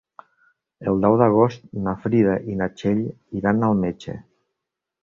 El deu d'agost na Frida i na Txell iran al metge.